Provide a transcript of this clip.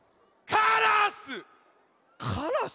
からす？